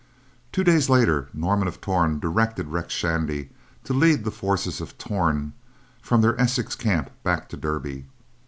Two days later, Norman of Torn directed Red Shandy to lead the forces of Torn from their Essex camp back to Derby.